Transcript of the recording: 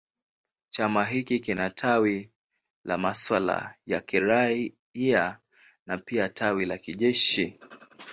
Chama hiki kina tawi la masuala ya kiraia na pia tawi la kijeshi.